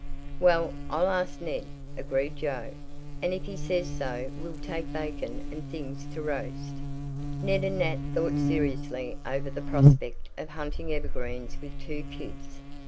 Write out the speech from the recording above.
"Well, I'll ask Ned," agreed Joe, "and if he says so we'll take bacon and things to roast." Ned and Nat thought seriously over the prospect of hunting evergreens with two "kids."